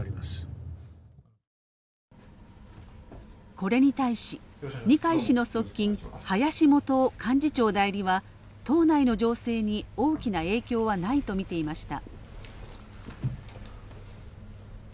これに対し、二階氏の側近林幹雄幹事長代理は党内の情勢に大きな影響はないと見ていました。